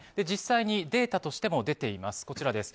実際にデータとしても出ています。